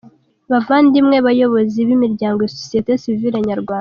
Bavandimwe bayobozi b’imiryango ya société civile nyarwanda,